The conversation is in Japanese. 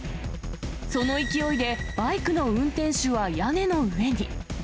その勢いで、バイクの運転手は屋根の上に。